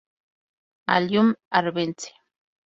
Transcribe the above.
Allium arvense